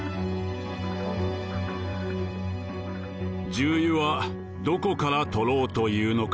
「重油はどこから取ろうというのか。